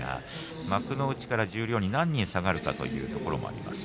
幕内から十両に何人下がるかというところもあります。